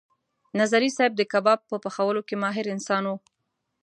نظري صیب د کباب په پخولو کې ماهر انسان و.